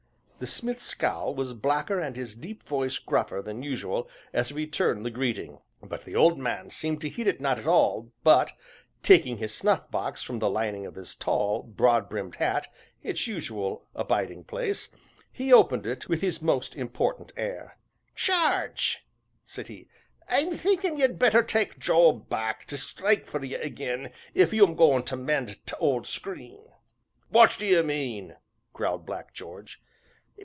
The smith's scowl was blacker and his deep voice gruffer than usual as he returned the greeting; but the old man seemed to heed it not at all, but, taking his snuff box from the lining of his tall, broad brimmed hat (its usual abiding place), he opened it, with his most important air. "Jarge," said he, "I'm thinkin' ye'd better tak' Job back to strike for ye again if you'm goin' to mend t' owd screen." "What d'ye mean?" growled Black George.